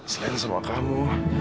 selain sama kamu